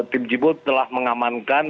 tim jibom telah mengamankan